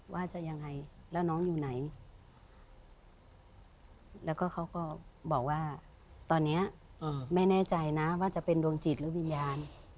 ว่าจะยังไงแล้วน้องอยู่ไหนแล้วก็เขาก็บอกว่าตอนนี้แม่แน่ใจนะว่าจะเป็นดวงจิตหรือวิญญาณ